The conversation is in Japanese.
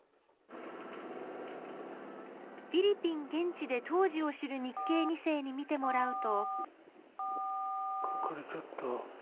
フィリピン現地で当時を知る日系２世に見てもらうと。